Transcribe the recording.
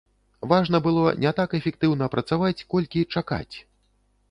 Важна было не так эфектыўна працаваць, колькі чакаць.